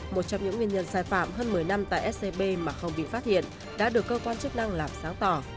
một trong những nguyên nhân sai phạm hơn một mươi năm tại scb mà không bị phát hiện đã được cơ quan chức năng làm sáng tỏ